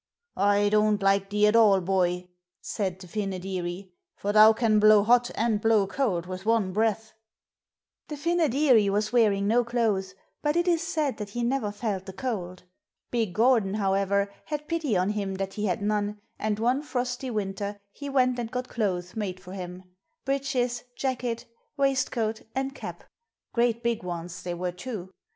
'I don't like thee at all, boy,' said the Fynoderee, 'for thou can blow hot and blow cold with one breath.' The Fynoderee was wearing no clothes, but it is said that he never felt the cold. Big Gordon, however, had pity on him that he had none, and one frosty winter he went and got clothes made for him breeches, jacket, waistcoat and cap great big ones they were too.